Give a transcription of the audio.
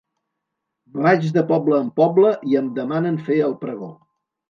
Vaig de poble en poble i em demanen fer el pregó.